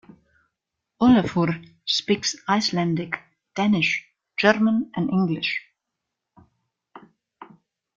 Olafur speaks Icelandic, Danish, German, and English.